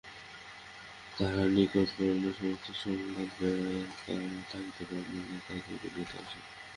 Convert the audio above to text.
তাহার নিকট করুণার সমস্ত সংবাদ পাইয়া আর থাকিতে পারিলেন না, তাড়াতাড়ি কলিকাতায় আসিলেন।